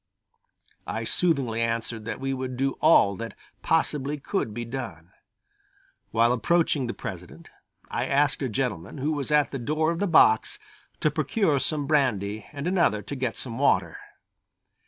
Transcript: I soothingly answered that we would do all that possibly could be done. While approaching the President, I asked a gentleman, who was at the door of the box, to procure some brandy and another to get some water.